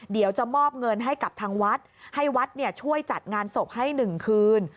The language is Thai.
เดี๋ยวจะมอบเงินให้กับทางวัดให้วัดช่วยจัดงานศพให้๑คืน